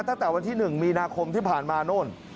ตั้งแต่วันที่๑มีนาคมที่ผ่านมานู่น